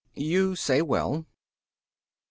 You say well. A.